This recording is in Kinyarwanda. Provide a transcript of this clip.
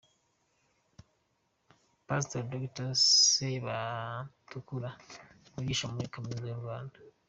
Pastor Dr Sebatukura wigisha muri kaminuza y'u Rwanda.